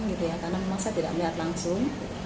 karena memang saya tidak melihat langsung